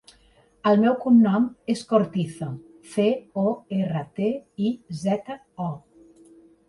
El seu cognom és Cortizo: ce, o, erra, te, i, zeta, o.